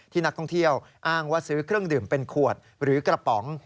นักท่องเที่ยวอ้างว่าซื้อเครื่องดื่มเป็นขวดหรือกระป๋อง